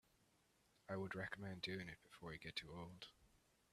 I would recommend doing it before you get too old.